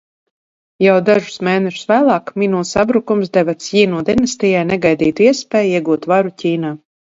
Jau dažus mēnešus vēlāk Minu sabrukums deva Cjinu dinastijai negaidītu iespēju iegūt varu Ķīnā.